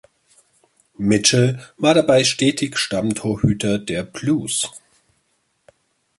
Mitchell war dabei stetig Stammtorhüter der „Blues“.